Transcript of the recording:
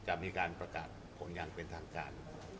จะมีการประกาศผลอย่างเป็นทางการ